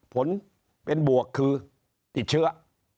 ผลเป็นบวกคือติดเชื้อ